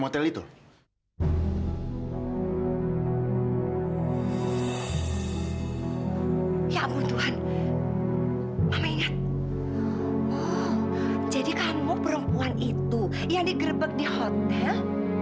oh jadi kamu perempuan itu yang digerbek di hotel